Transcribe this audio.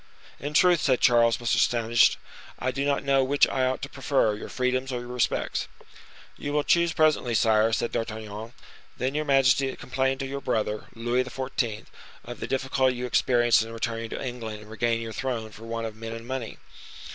"In truth!" said Charles, much astonished, "I do not know which I ought to prefer, your freedoms or your respects." "You will choose presently, sire," said D'Artagnan. "Then your majesty complained to your brother, Louis XIV., of the difficulty you experienced in returning to England and regaining your throne for want of men and money."